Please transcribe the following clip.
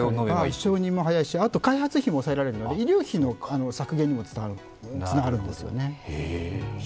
承認も早いし、開発費も抑えられるので医療費の削減にもつながるんですよね。